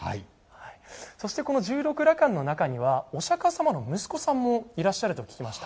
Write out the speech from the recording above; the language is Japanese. この十六羅漢の中にはお釈迦様の息子さんもいらっしゃると聞きました。